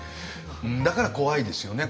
だから怖いですよね